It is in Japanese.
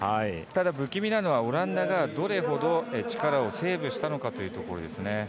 ただ、不気味なのはオランダがどれほど、力をセーブしたのかというところですね。